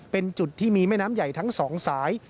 เป็นจุดที่มีแม่น้ำใหญ่ทั้ง๒สาย